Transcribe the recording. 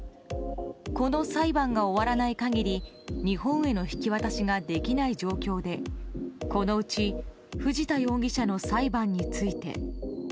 この裁判が終わらない限り日本への引き渡しができない状況でこのうち藤田容疑者の裁判について。